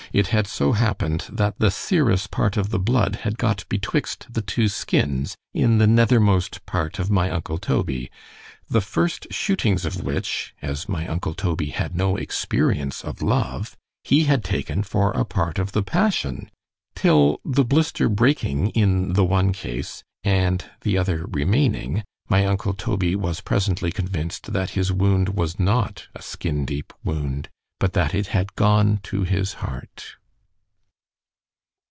it had so happened, that the serous part of the blood had got betwixt the two skins, in the nethermost part of my uncle Toby——the first shootings of which (as my uncle Toby had no experience of love) he had taken for a part of the passion—till the blister breaking in the one case—and the other remaining—my uncle Toby was presently convinced, that his wound was not a skin deep wound——but that it had gone to his heart.